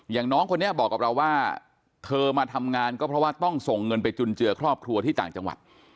น้องคนนี้บอกกับเราว่าเธอมาทำงานก็เพราะว่าต้องส่งเงินไปจุนเจือครอบครัวที่ต่างจังหวัด